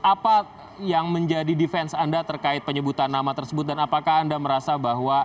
apa yang menjadi defense anda terkait penyebutan nama tersebut dan apakah anda merasa bahwa